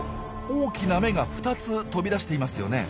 大きな眼が２つ飛び出していますよね。